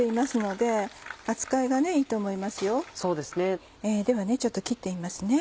では切ってみますね。